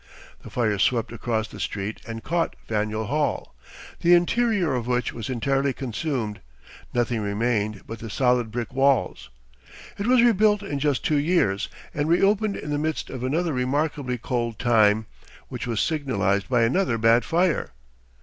The fire swept across the street and caught Faneuil Hall, the interior of which was entirely consumed, nothing remaining but the solid brick walls. It was rebuilt in just two years, and reopened in the midst of another remarkably cold time, which was signalized by another bad fire.